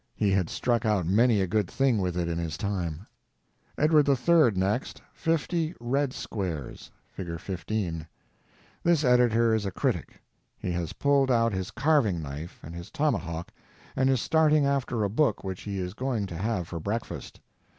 He had struck out many a good thing with it in his time. Edward III. next; fifty _red _squares. (Fig. 15.) This editor is a critic. He has pulled out his carving knife and his tomahawk and is starting after a book which he is going to have for breakfast.